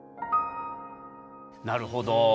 なるほど。